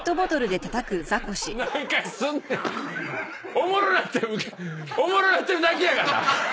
おもろなっておもろなってるだけやがな。